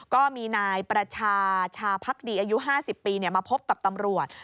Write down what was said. ก็มีนายประชาชาพักดีอายุ๕๐ปีมาพบกับตำรวจ